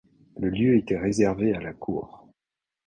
Le lieu était réservé à la cour.